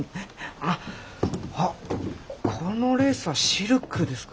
あっあっこのレースはシルクですか。